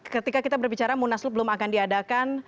ketika kita berbicara munas luar belum akan diadakan